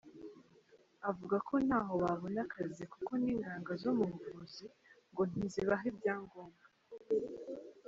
Avuga ko ntaho babona akazi kuko n’inganga zo mu buvuzi ngo ntizibaha ibyangombwa.